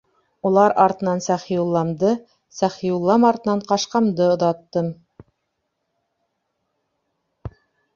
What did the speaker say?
Улар артынан Сәхиулламды, Сәхиуллам артынан Ҡашҡамды оҙаттым.